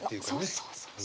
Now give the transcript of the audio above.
そうそう。